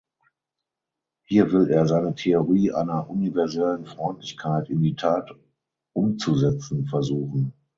Hier will er seine Theorie einer „universellen Freundlichkeit“ in die Tat umzusetzen versuchen.